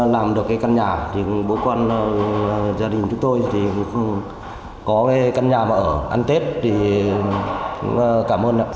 làm được cái căn nhà thì bố con gia đình chúng tôi thì có cái căn nhà mà ở ăn tết thì cũng cảm ơn